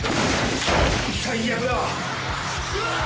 最悪だ。